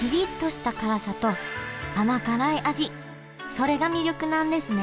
それが魅力なんですね